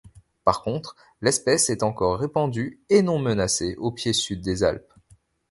Par contre l’espèce est encore répandue et non menacée au pied sud des Alpes.